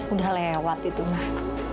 udah lewat itu mak